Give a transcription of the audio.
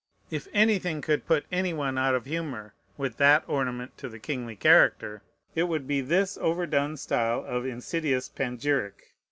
If anything could put any one out of humor with that ornament to the kingly character, it would be this overdone style of insidious panegyric.